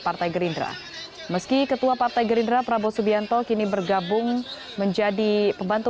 partai gerindra meski ketua partai gerindra prabowo subianto kini bergabung menjadi pembantu